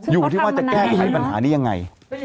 อยู่ที่ว่าจะแก้ไขปัญหานี้ยังไง